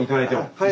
はい。